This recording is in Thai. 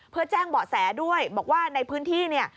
เพื่อแจ้งเบาะแสด้วยบอกว่าในพื้นที่เนี่ย